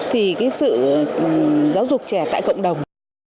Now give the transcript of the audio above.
thì sự giáo dục trẻ tại cộng đồng